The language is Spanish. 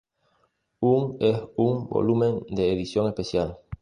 Un es un volumen de edición especial.